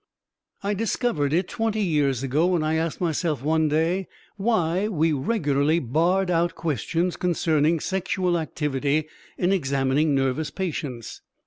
I discovered it twenty years ago when I asked myself one day why we regularly barred out questions concerning sexual activity in examining nervous patients.